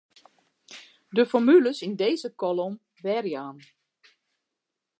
De formules yn dizze kolom werjaan.